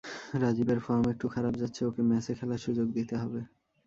রাজীবের form একটু খারাপ যাচ্ছে, ওকে ম্যাচে খেলার সুযোগ দিতে হবে।